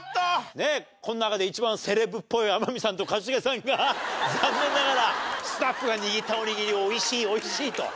ねえこの中で一番セレブっぽい天海さんと一茂さんが残念ながらスタッフが握ったおにぎりを「美味しい美味しい」と。